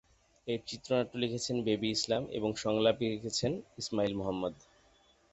এর চিত্রনাট্য লিখেছেন বেবী ইসলাম এবং সংলাপ লিখেছেন ইসমাইল মোহাম্মদ।